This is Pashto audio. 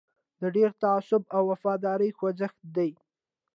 دا ډېر متعصب او وفادار خوځښت دی.